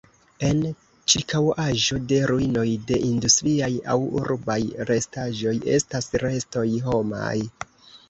En ĉirkaŭaĵo de ruinoj de industriaj aŭ urbaj restaĵoj estas restoj homaj.